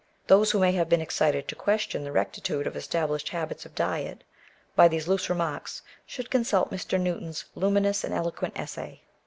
Those who may have been excited to question the rectitude of established habits of diet, by these loose remarks, should consult Mr. Newton's luminous and eloquent essay.